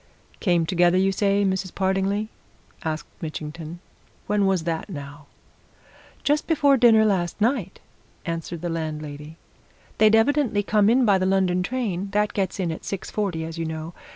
"Came together, you say, Mrs. Partingley?" asked Mitchington. "When was that, now?" "Just before dinner, last night," answered the landlady. "They'd evidently come in by the London train that gets in at six forty, as you know.